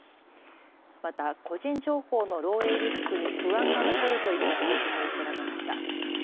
また個人情報の漏えいリスクに不安が残るといった指摘も寄せられました。